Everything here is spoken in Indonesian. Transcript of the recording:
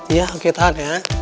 ya oke tahan ya